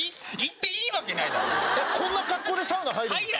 こんな格好でサウナ入るんですか？